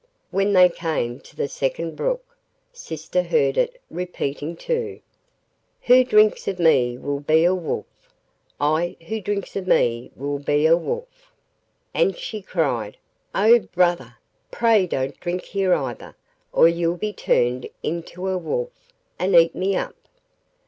When they came to the second brook, sister heard it repeating too: 'Who drinks of me will be a wolf! who drinks of me will be a wolf!' And she cried, 'Oh! brother, pray don't drink here either, or you'll be turned into a wolf and eat me up.